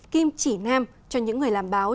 kim chỉ nam cho những người làm báo